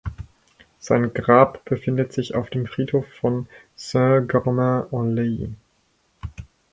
Sein Grab befindet sich auf dem Friedhof von Saint-Germain-en-Laye.